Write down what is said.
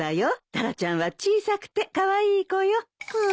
タラちゃんは小さくてカワイイ子よ。